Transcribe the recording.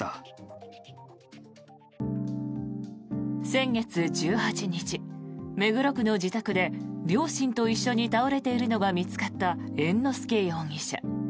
先月１８日、目黒区の自宅で両親と一緒に倒れているのが見つかった猿之助容疑者。